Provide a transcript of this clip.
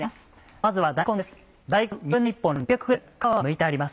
まずは大根です。